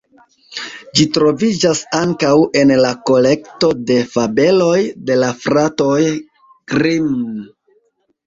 Ĝi troviĝas ankaŭ en la kolekto de fabeloj de la fratoj Grimm.